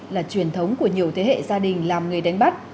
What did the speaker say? là truyền thống của nhiều thế hệ gia đình làm nghề đánh bắt